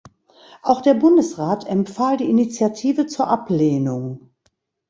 Auch der Bundesrat empfahl die Initiative zur Ablehnung.